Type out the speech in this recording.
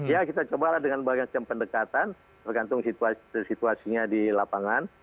ya kita cobalah dengan berbagai macam pendekatan bergantung situasinya di lapangan